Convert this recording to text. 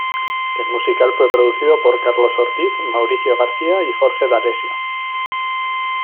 El musical fue producido por Carlos Ortiz, Mauricio García y Jorge D'Alessio.